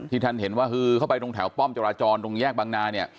ที่ท่านเห็นว่าเข้าไปตรงแถวป้อมจราจรตรงแยกบางนา